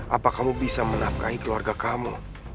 apa kamu bisa menafkahi keluarga kamu